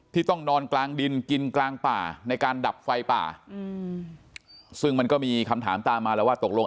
ต้องนอนกลางดินกินกลางป่าในการดับไฟป่าอืมซึ่งมันก็มีคำถามตามมาแล้วว่าตกลง